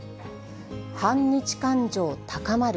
反日感情高まる。